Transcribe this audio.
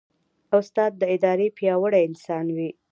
استاد د ارادې پیاوړی انسان وي.